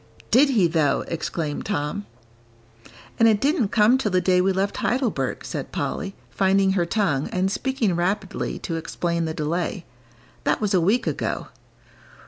"Didn't he though!" exclaimed Tom. "And it didn't come till the day we left Heidelberg," said Polly, finding her tongue, and speaking rapidly to explain the delay; "that was a week ago."